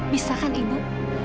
bisa kan ibu